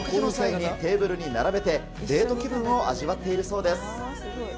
食事の際にテーブルに並べて、デート気分を味わっているそうです。